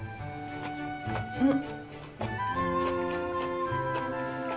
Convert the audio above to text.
うん。